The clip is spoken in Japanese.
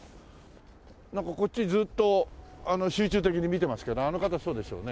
なんかこっちずっと集中的に見てますけどあの方そうでしょうね。